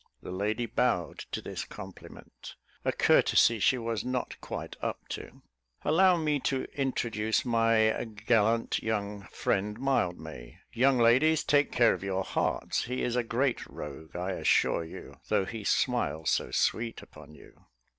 The lady bowed to this compliment a courtesy she was not quite up to "Allow me to introduce my gallant young friend, Mildmay young ladies, take care of your hearts he is a great rogue, I assure you, though he smiles so sweet upon you."